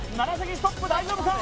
楢ストップ大丈夫か？